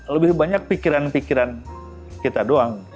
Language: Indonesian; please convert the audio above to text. lebih banyak pikiran pikiran kita doang